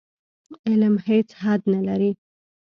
علم هېڅ حد نه لري.